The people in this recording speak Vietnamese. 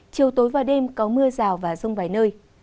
chiều tối và đêm có mưa rào và rông vài nơi